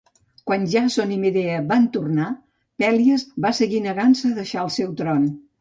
Quan Jàson i Medea van tornar, Pèlies va seguir negant-se a deixar el seu tron.